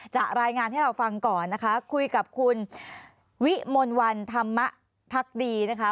จะรายงานให้เราฟังก่อนนะคะคุยกับคุณวิมลวันธรรมพักดีนะคะ